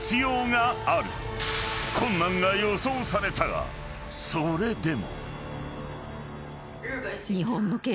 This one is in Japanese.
［困難が予想されたがそれでも］